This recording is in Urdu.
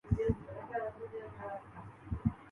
پاکستان ایک بار پھر یورو بانڈز کی مارکیٹ میں پہنچ گیا